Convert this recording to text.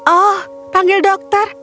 oh panggil dokter